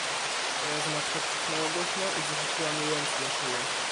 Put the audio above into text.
"Teraz matka krzyknęła głośno i zarzuciła mi ręce na szyję."